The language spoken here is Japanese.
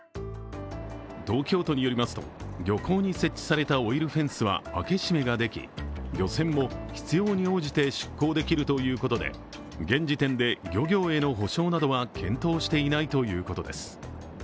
東京都によりますと漁港に設置されたオイルフェンスは開け閉めができ漁船も必要に応じて出航できるとしていて現時点で漁業への補償などは検討していないということです。